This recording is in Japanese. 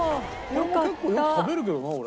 これも結構よく食べるけどな俺。